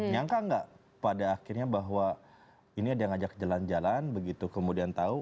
nyangka nggak pada akhirnya bahwa ini ada yang ngajak jalan jalan begitu kemudian tahu